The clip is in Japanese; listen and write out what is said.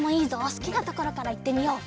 すきなところからいってみよう！